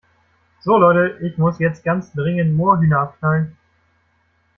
So Leute, ich muss jetzt ganz dringend Moorhühner abknallen.